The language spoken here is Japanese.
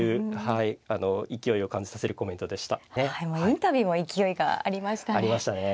インタビューも勢いがありましたね。